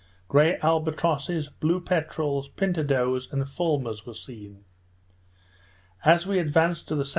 Grey albatrosses, blue peterels, pintadoes, and fulmers, were seen. As we advanced to the S.E.